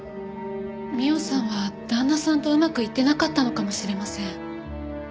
美緒さんは旦那さんとうまくいってなかったのかもしれません。